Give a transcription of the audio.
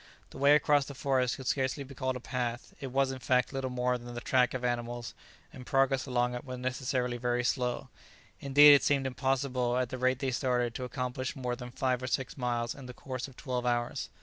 The way across the forest could scarcely be called a path; it was, in fact, little more than the track of animals, and progress along it was necessarily very slow; indeed it seemed impossible, at the rate they started, to accomplish more than five or six miles in the course of twelve hours.